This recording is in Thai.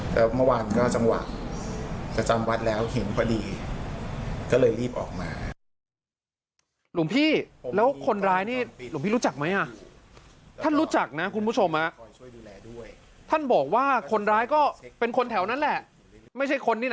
แต่เมื่อวันก็จำวัดแล้วเห็นพอดีก็เลยรีบออกมา